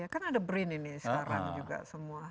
kan ada brin ini sekarang juga semua